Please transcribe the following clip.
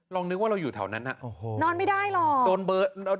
นึกว่าเราอยู่แถวนั้นน่ะโอ้โหนอนไม่ได้หรอก